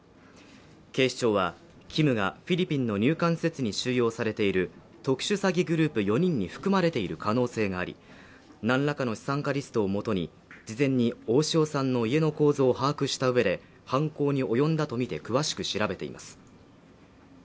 警視庁はキムがフィリピンの入管施設に収容されている特殊詐欺グループ４人に含まれている可能性があり何らかの資産家リストをもとに事前に大塩さんの家の構造を把握したうえで犯行に及んだとみて詳しく調べています